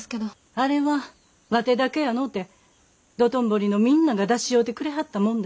あれはわてだけやのうて道頓堀のみんなが出し合うてくれはったもんだす。